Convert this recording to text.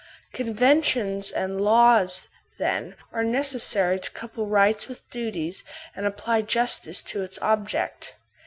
Conventions and laws, then, are neces sary to couple rights with duties and apply justice to its object.